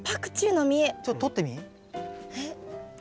ちょっととってみ。え？